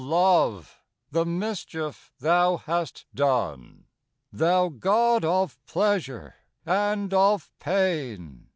LOVE ! the mischief thou hast done ! Thou god of pleasure and of pain